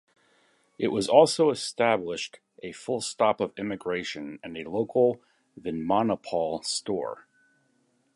It was also established a "full" stop of immigration and a local Vinmonopol store.